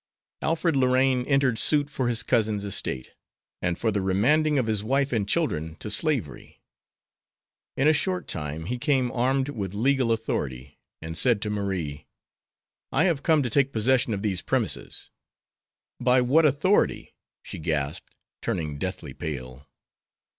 Alfred Lorraine entered suit for his cousin's estate, and for the remanding of his wife and children to slavery. In a short time he came armed with legal authority, and said to Marie: "I have come to take possession of these premises." "By what authority?" she gasped, turning deathly pale.